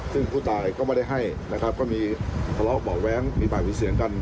ซึ่งผู้ตายก็ไม่ได้ให้นะครับก็มีทะเลาะเบาะแว้งมีปากมีเสียงกัน